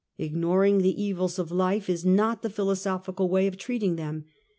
Ignor ing the evils of life is not the philosophical way of treating them.